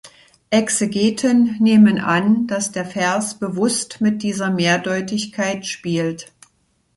Exegeten nehmen an, dass der Vers bewusst mit dieser Mehrdeutigkeit spielt.